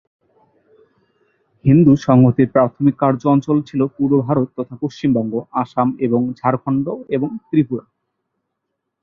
হিন্দু সংহতির প্রাথমিক কার্য অঞ্চল ছিল পূর্ব ভারত তথা পশ্চিমবঙ্গ, আসাম এবং ঝাড়খণ্ড ও ত্রিপুরা।